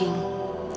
biar nggak suntuk gitu